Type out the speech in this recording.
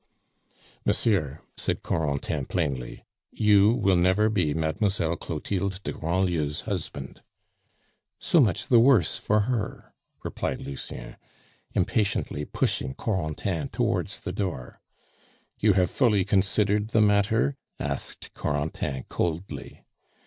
"Monsieur," said Corentin plainly, "you will never be Mademoiselle Clotilde de Grandlieu's husband." "So much the worse for her!" replied Lucien, impatiently pushing Corentin towards the door. "You have fully considered the matter?" asked Corentin coldly.